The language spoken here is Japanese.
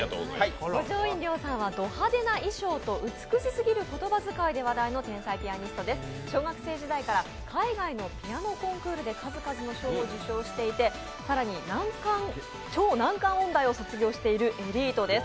五条院凌さんはド派手な衣装と美しすぎる言葉遣いで有名な天才ピアニストです、小学生時代から海外のピアノコンクールで数々の賞を受賞していて、更に超難関音大を卒業しているエリートです。